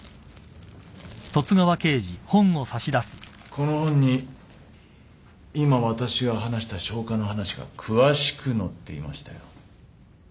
この本に今わたしが話した消化の話が詳しく載っていましたよ。